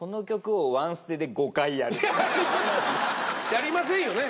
やりませんよね？